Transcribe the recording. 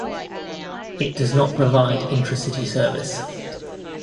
It does not provide intracity service.